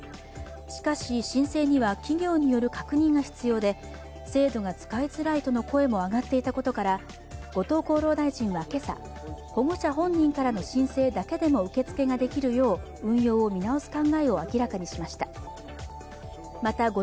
しかし、申請には企業による確認が必要で制度が使いづらいとの声も上がっていたことから、後藤厚労大臣は今朝保護者本人からの申請だけでも運用を見直す考えを明らかにしました。